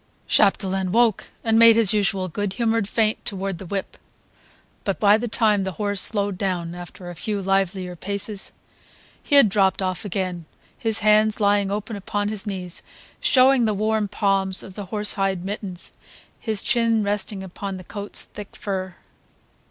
Chapdelaine woke and made his usual good humoured feint toward the whip; but by the time the horse slowed down, after a few livelier paces, he had dropped off again, his hands lying open upon his knees showing the worn palms of the horse hide mittens, his chin resting upon the coat's thick fur.